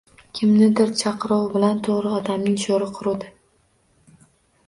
Kimningdir chaquvi bilan to‘g‘ri odamning sho‘ri quridi